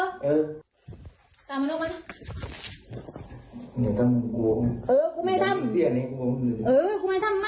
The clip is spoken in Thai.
ในห้องที่เกิดเหตุใช่ค่ะ